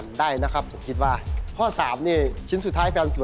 ไม่มีความอุดมสมบูรณ์ได้แทนตัว